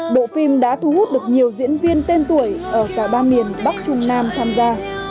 bộ phim đã thu hút được nhiều diễn viên tên tuổi ở cả ba miền bắc trung nam tham gia